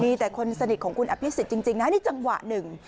มีแต่คนสนิทของคุณอภิษฎจริงนะนี่จังหวะหนึ่ง